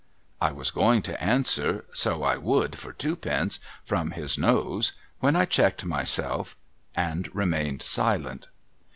I was going to answer, 'So I would, for twopence from his nose,' when I checked myself and remained silent.